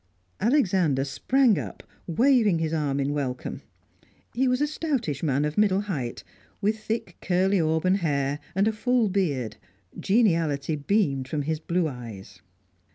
Alexander sprang up, waving his arm in welcome. He was a stoutish man of middle height, with thick curly auburn hair, and a full beard; geniality beamed from his blue eyes.